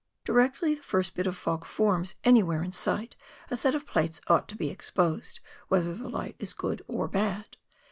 Directly the first bit of .fog forms a ay where in sight, a set of plates ought to be exposed, whether the light is good or bad.